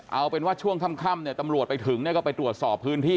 เอาเป็นว่าช่วงค่ำตำรวจไปถึงก็ไปตรวจสอบพื้นที่